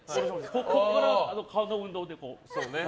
ここからは顔の運動で。